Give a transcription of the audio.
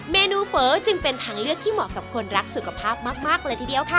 เมนูเฝอจึงเป็นทางเลือกที่เหมาะกับคนรักสุขภาพมากเลยทีเดียวค่ะ